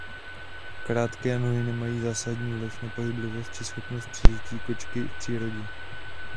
Krátké nohy nemají zásadní vliv na pohyblivost či schopnost přežití kočky v přírodě.